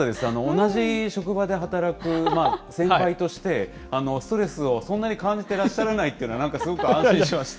同じ職場で働く先輩として、ストレスをそんなに感じてらっしゃらないというのは、なんかすごく安心しました。